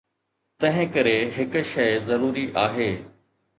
تنهنڪري هڪ شيء ضروري آهي.